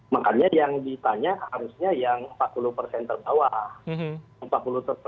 makanya yang ditanya harusnya yang empat puluh persen terbawah